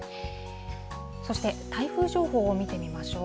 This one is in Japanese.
そして台風情報を見てみましょう。